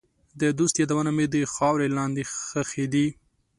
د دوست یادونه مې د خاورې لاندې ښخې دي.